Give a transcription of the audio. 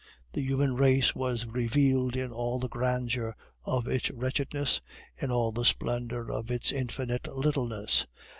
The human race was revealed in all the grandeur of its wretchedness; in all the splendor of its infinite littleness.